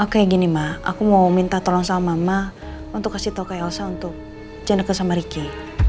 kayak gini ma aku mau minta tolong sama mama untuk kasih tau ke elsa untuk janeka sama ricky